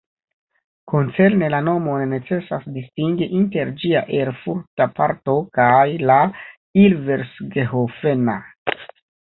Koncerne la nomon necesas distingi inter ĝia erfurta parto kaj la ilversgehofen-a.